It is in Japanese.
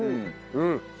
うん。